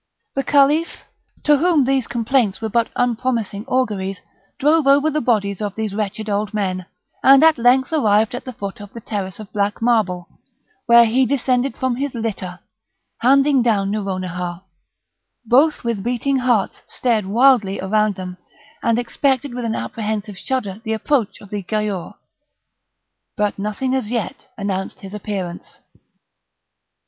The Caliph, to whom these complaints were but unpromising auguries, drove over the bodies of these wretched old men, and at length arrived at the foot of the terrace of black marble; there he descended from his litter, handing down Nouronihar; both with beating hearts stared wildly around them, and expected with an apprehensive shudder the approach of the Giaour; but nothing as yet announced his appearance.